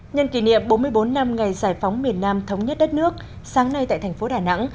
nhân kỷ niệm bốn mươi bốn năm ngày giải phóng miền nam thống nhất đất nước sáng nay tại thành phố đà nẵng